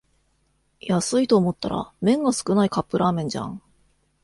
安いと思ったら麺が少ないカップラーメンじゃん